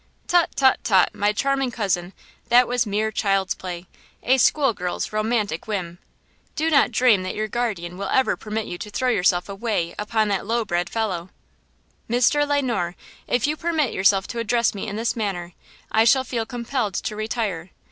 "Tut, tut, tut, my charming cousin, that was mere child's play–a school girl's romantic whim. Do not dream that your guardian will ever permit you to throw yourself away upon that low bred fellow." "Mr. Le Noir, if you permit yourself to address me in this manner, I shall feel compelled to retire.